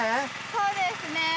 そうですね。